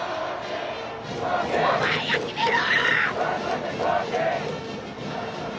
お前が決めろ！